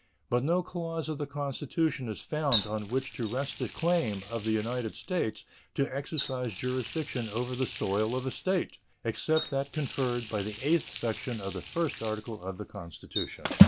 But no clause of the Constitution is found on which to rest the claim of the United States to exercise jurisdiction over the soil of a State except that conferred by the eighth section of the first article of the Constitution.